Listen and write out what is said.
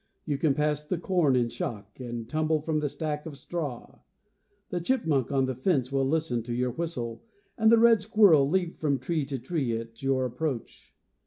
You can pass the corn in shock, and tumble from the stack of straw. Thechipmunkon the fence will listen to your whistle, and the red squirrel leap from tree to tree at your approach.